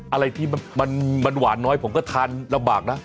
อะไรที่มันหวานน้อยผมก็ทานลำบากนะ